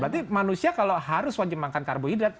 berarti manusia kalau harus wajib makan karbohidrat